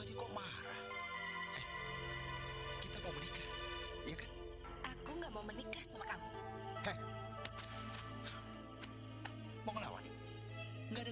ya pakai otak rati